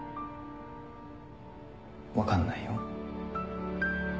分かんないよ？